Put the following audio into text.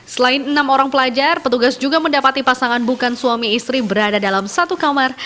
selain enam orang pelajar petugas juga mendapati pasangan bukan suami istri berada dalam satu kamar